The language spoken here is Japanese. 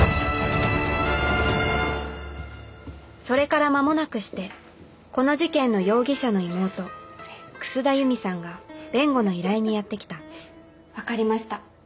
それから間もなくしてこの事件の容疑者の妹楠田悠美さんが弁護の依頼にやって来た分かりました。